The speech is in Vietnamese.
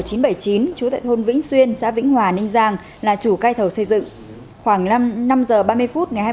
trú tại thôn vĩnh xuyên xã vĩnh hòa ninh giang là chủ cây thầu xây dựng khoảng năm h ba mươi phút ngày hai mươi